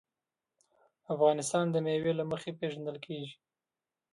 افغانستان د مېوې له مخې پېژندل کېږي.